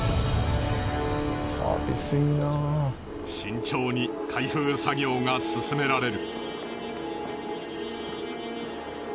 慎重に開封作業が進められる。